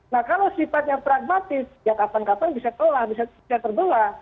nah kalau sifatnya pragmatis ya kapan kapan bisa telah bisa terbelah